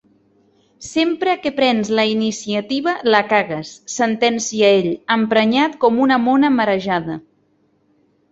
Sempre que prens la iniciativa la cagues —sentencia ell, emprenyat com una mona marejada—.